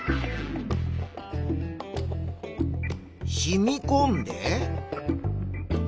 しみこんで。